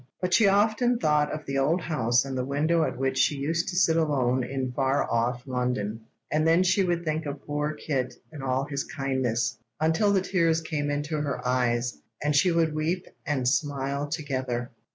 But she often thought of the old house and the window at which she used to sit alone in far off London; and then she would think of poor Kit and all his kindness, until the tears came into her eyes, and she would weep and smile together.